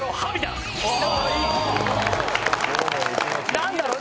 何だろう？